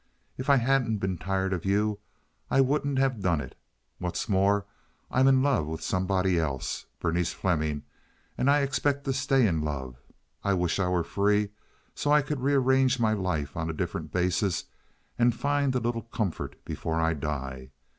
If I hadn't been tired of you I wouldn't have done it. What's more, I'm in love with somebody else—Berenice Fleming, and I expect to stay in love. I wish I were free so I could rearrange my life on a different basis and find a little comfort before I die.